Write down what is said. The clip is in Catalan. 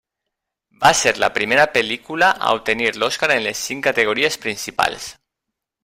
Va ser la primera pel·lícula a obtenir l'Oscar en les cinc categories principals.